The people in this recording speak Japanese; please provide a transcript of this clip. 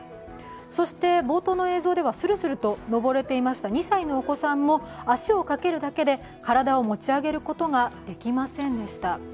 そして冒頭の映像ではするすると登れていました２歳のお子さんも、足をかけるだけで体を持ち上げることができませんでした。